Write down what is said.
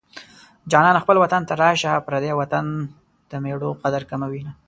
جانانه خپل وطن ته راشه پردی وطن د مېړو قدر کموينه